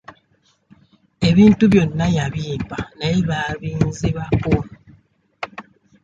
Ebintu byonna yambimpa naye baabinzibako.